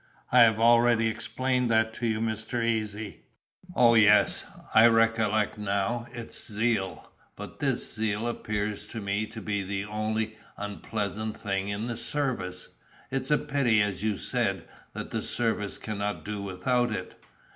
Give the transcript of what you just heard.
"I have already explained that to you, Mr. Easy." "Oh, yes, I recollect now, it's zeal; but this zeal appears to me to be the only unpleasant thing in the service. It's a pity, as you said, that the service cannot do without it."